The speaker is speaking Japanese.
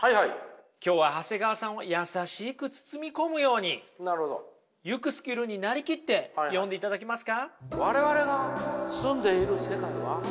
今日は長谷川さんを優しく包み込むようにユクスキュルになりきって読んでいただけますか。